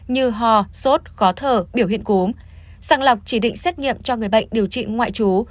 như ho sốt khó thở biểu hiện cúm sàng lọc chỉ định xét nghiệm cho người bệnh điều trị ngoại trú